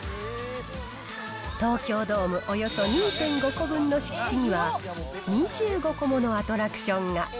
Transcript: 東京ドームおよそ２．５個分の敷地には、２５個ものアトラクションが。